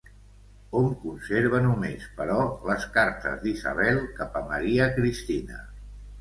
Hom conserva només, però, les cartes d'Isabel cap a Maria Cristina.